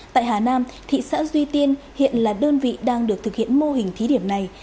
tại hà nam thị xã duy tiên hiện là đơn vị đang được thực hiện mô hình thí điểm này